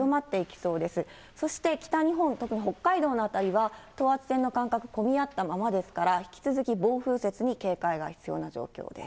そして北日本、特に北海道の辺りは等圧線の間隔、混み合ったままですから、引き続き暴風雪に警戒が必要な状況です。